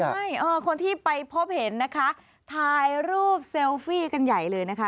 ใช่คนที่ไปพบเห็นนะคะถ่ายรูปเซลฟี่กันใหญ่เลยนะคะ